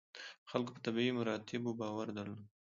خلکو په طبیعي مراتبو باور درلود.